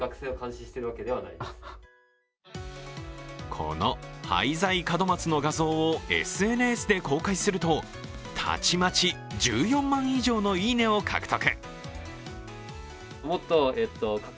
この廃材門松の画像をＳＮＳで公開するとたちまち１４万以上の「いいね」を獲得。